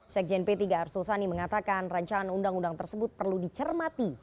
sekjen p tiga arsul sani mengatakan rancangan undang undang tersebut perlu dicermati